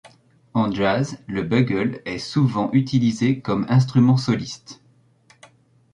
En jazz, le bugle est souvent utilisé comme instrument soliste.